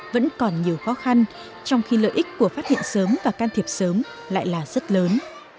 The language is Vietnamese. vẫn còn nhiều khó khăn trong khi lợi ích của phát hiện sớm và can thiệp sớm lại là rất lớn